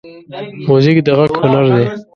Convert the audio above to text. موزیک د غږ هنر دی.